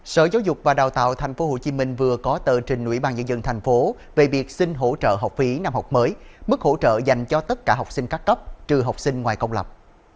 sở giáo dục và đào tạo tp hcm vừa có tờ trình ủy ban nhân dân tp về việc xin hỗ trợ học phí năm học mới mức hỗ trợ dành cho tất cả học sinh các cấp trừ học sinh ngoài công lập